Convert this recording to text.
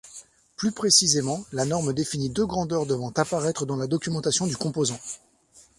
Plus précisément, la norme définit deux grandeurs devant apparaitre dans la documentation du composant.